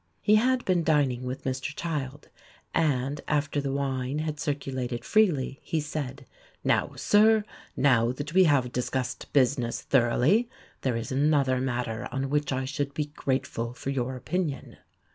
He had been dining with Mr Child, and, after the wine had circulated freely, he said, "Now, sir, that we have discussed business thoroughly, there is another matter on which I should be grateful for your opinion."